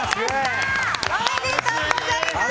おめでとうございます！